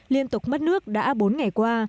liên tục mất nước đã bốn ngày qua